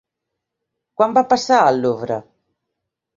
Quan va passar al Louvre?